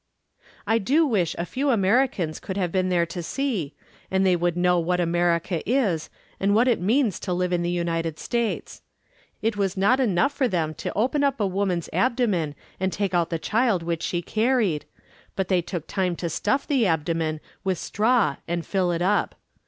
I do wish a few Americans could have been there to see, and they would know what America is, and what it means to live in the United States. It was not enough for them to open up a woman's abdomen and take out the child which she carried, but they took time to stuff the abdomen with straw and fill it up.